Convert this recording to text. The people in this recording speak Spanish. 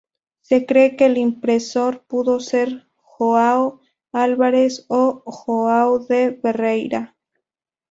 Se cree que el impresor pudo ser Joao Alvarez o Joao de Barreira.